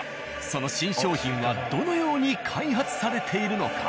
その新商品はどのように開発されているのか。